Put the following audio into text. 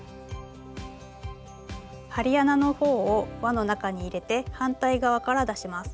針穴の方をわの中に入れて反対側から出します。